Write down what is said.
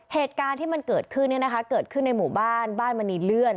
เหตุการณ์ที่มันเกิดขึ้นเนี่ยนะคะเกิดขึ้นในหมู่บ้านบ้านมณีเลื่อน